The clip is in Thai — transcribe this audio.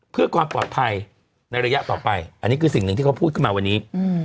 เพื่อความปลอดภัยในระยะต่อไปอันนี้คือสิ่งหนึ่งที่เขาพูดขึ้นมาวันนี้